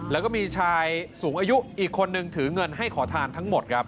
แล้วก็มีชายสูงอายุอีกคนนึงถือเงินให้ขอทานทั้งหมดครับ